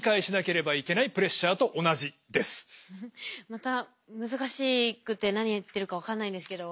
また難しくて何言ってるか分かんないんですけど。